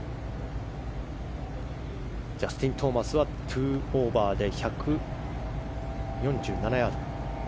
ジャスティン・トーマスは２オーバーで１４７ヤード。